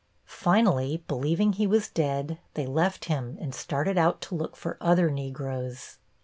Finally, believing he was dead they left him and started out to look for other Negroes.